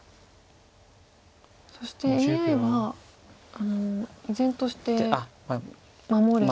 そしてＡＩは依然として守れと。